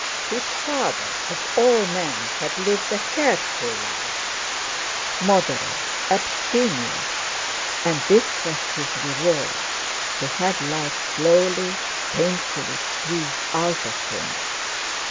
His father, of all men, had lived a careful life, moderate, abstemious, and this was his reward—to have life slowly, painfully squeezed out of him!